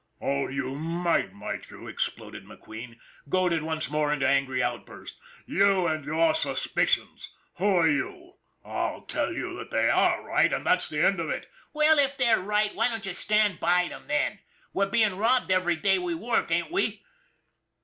" Oh, you might, might you ?" exploded McQueen, goaded once more into angry outburst. ' You and your suspicions! Who are you! I tell you they are right, and that's the end of it !"" Well, if they're right, why don't you stand by them, then? We're being robbed every day we work, ain't we?"